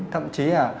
thậm chí là